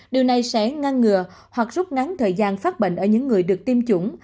điều này sẽ ngăn ngừa hoặc rút ngắn thời gian phát bệnh ở những người được tiêm chủng